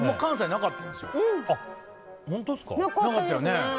なかったですね。